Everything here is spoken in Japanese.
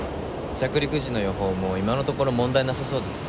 着陸時の予報も今のところ問題なさそうです。